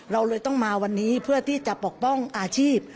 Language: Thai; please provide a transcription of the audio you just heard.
เราเลยต้องมาวันนี้เพื่อที่จะปกป้องอาชีพ